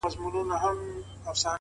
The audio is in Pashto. د دغه مار د ويښېدلو کيسه ختمه نه ده _